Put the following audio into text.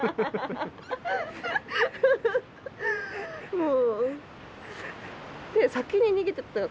もう。